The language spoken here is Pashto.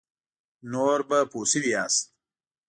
نور به پوه شوي یاست.